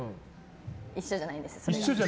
一緒じゃないんです。